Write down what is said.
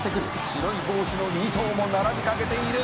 「白い帽子の２頭も並びかけている」